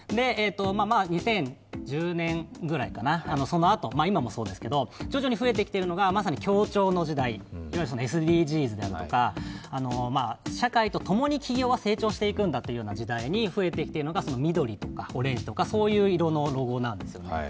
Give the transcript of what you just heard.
２０１０年ぐらいかな、そのあと、今もそうですけど徐々に増えてきているのがまさに協調の時代、ＳＤＧｓであるとか、社会と共に企業は成長していくんだという時代に増えてきているのが緑とかオレンジとか、そういう色のロゴなんですよね。